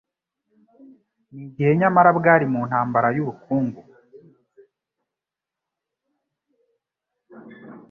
ni igihe nyamara bwari mu ntambara y'ubukungu